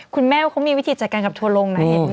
คุณแม่ว่าเขามีวิธีจัดการกับทัวรงไหน